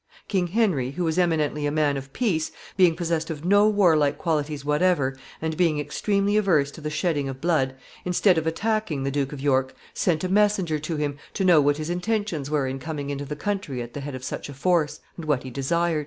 King Henry, who was eminently a man of peace, being possessed of no warlike qualities whatever, and being extremely averse to the shedding of blood, instead of attacking the Duke of York, sent a messenger to him to know what his intentions were in coming into the country at the head of such a force, and what he desired.